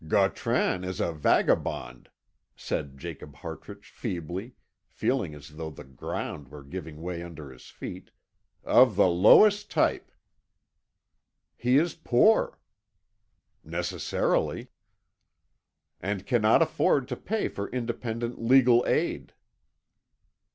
"Gautran is a vagabond," said Jacob Hartrich feebly, feeling as though the ground were giving way under his feet, "of the lowest type." "He is poor." "Necessarily." "And cannot afford to pay for independent legal aid."